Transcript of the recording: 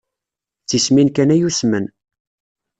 D tismin kan ay usmen.